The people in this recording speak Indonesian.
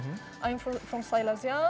saya dari silesia